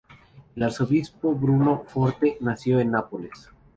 El arzobispo Bruno Forte nació en Nápoles.